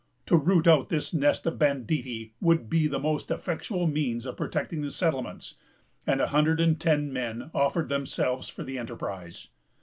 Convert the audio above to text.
To root out this nest of banditti would be the most effectual means of protecting the settlements, and a hundred and ten men offered themselves for the enterprise.